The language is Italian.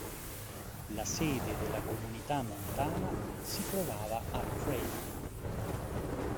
La sede della Comunità montana si trovava a Pray.